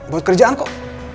buat kerjaan kok